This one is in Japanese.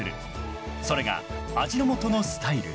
［それが味の素のスタイル］